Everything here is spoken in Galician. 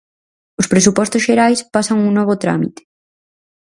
Os Presupostos Xerais pasan un novo trámite.